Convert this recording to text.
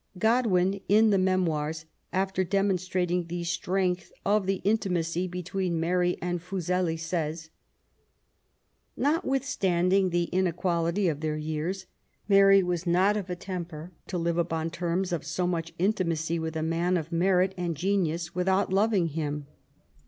Godwin, in the Memoirs, after demonstrating the strength of the intimacy between Mary and Fuseli, says :— Notwithstanding the inequality of their years, Mary was not of a temper to live upon terms of so much intimacy with a man of merit and genius without loving him.